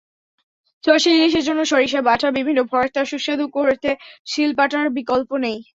সরষে ইলিশের জন্য সরিষা বাটা, বিভিন্ন ভর্তা সুস্বাদু করতে শিলপাটার বিকল্প নেই।